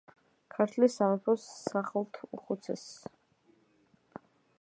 ქართლის სამეფოს სახლთუხუცესი.